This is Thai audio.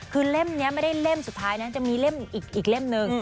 คือเล่มนี้ไม่ได้เล่มสุดท้ายนะจะมีเล่มอีกเล่มหนึ่ง